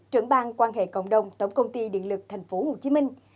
trưởng bang quan hệ cộng đồng tổng công ty điện lực thành phố hồ chí minh